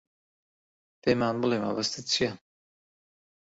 پێمان بڵێ مەبەستت چییە.